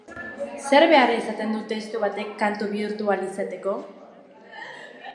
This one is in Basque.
Zer behar izaten du testu batek kantu bihurtu ahal izateko?